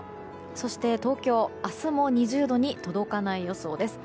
そして、東京は明日も２０度に届かない予想です。